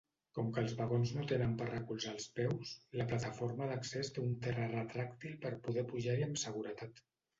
Com que els vagons no tenen per recolzar els peus, la plataforma d'accés té un terra retràctil per poder pujar-hi amb seguretat.